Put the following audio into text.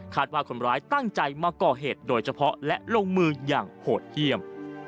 ว่าคนร้ายตั้งใจมาก่อเหตุโดยเฉพาะและลงมืออย่างโหดเยี่ยม